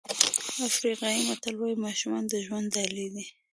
افریقایي متل وایي ماشومان د ژوند ډالۍ دي.